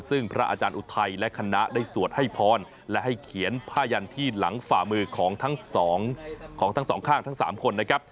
ซึ่งพระอาจารย์อุทัยและคณะได้สวดให้พรและให้เขียนผ้ายันที่หลังฝ่ามือของทั้งสองของทั้งสองข้างทั้ง๓คนนะครับ